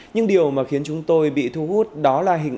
nhưng điều mà khiến chúng tôi bị thu hút đó là hình ảnh